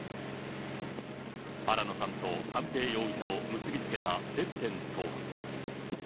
新野さんと三瓶容疑者を結び付けた接点とは。